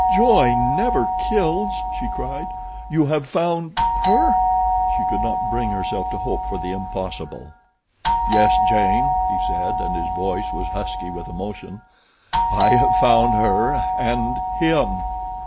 "Joy never kills," she cried. "You have found—her?" She could not bring herself to hope for the impossible. "Yes, Jane," he said, and his voice was husky with emotion; "I have found her, and—HIM!"